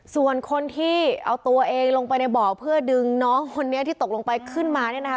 ส่วนคนที่เอาตัวเองลงไปในบ่อเพื่อดึงน้องคนนี้ที่ตกลงไปขึ้นมาเนี่ยนะคะ